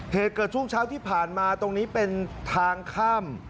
เหตุเกิดช่วงเช้าที่ผ่านมาตรงนี้เป็นทางข้าม